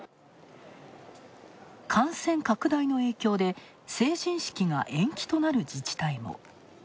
感染拡大の影響で、成人式が延期となる自治体も。